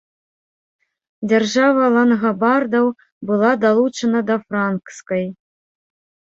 Дзяржава лангабардаў была далучана да франкскай.